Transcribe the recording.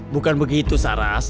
bukan begitu saras